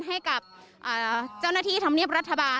ให้กับเจ้าหน้าที่ธรรมเนียบรัฐบาล